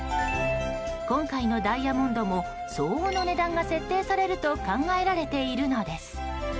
今回のダイヤモンドも相応の値段が設定されると考えられているのです。